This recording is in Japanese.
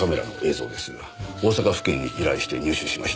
大阪府警に依頼して入手しました。